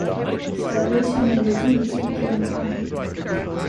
Starvation and disease became common.